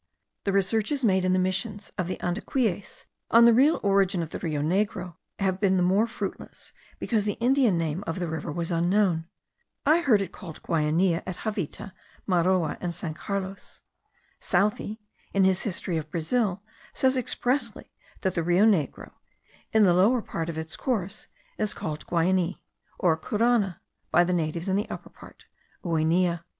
The researches made in the missions of the Andaquies on the real origin of the Rio Negro have been the more fruitless because the Indian name of the river was unknown. I heard it called Guainia at Javita, Maroa, and San Carlos. Southey, in his history of Brazil, says expressly that the Rio Negro, in the lower part of its course, is called Guiani, or Curana, by the natives; in the upper part, Ueneya.